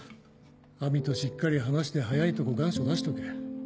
亜美としっかり話して早いとこ願書出しとけ。